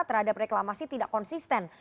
terhadap reklamasi tidak konsisten